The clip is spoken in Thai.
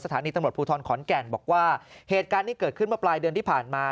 สถานีตำรวจภูทรขอนแก่นบอกว่าเหตุการณ์ที่เกิดขึ้นเมื่อปลายเดือนที่ผ่านมา